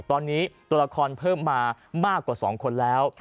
ตอนนี้ตัวละครเพิ่มมามากกว่า๒คนแล้ว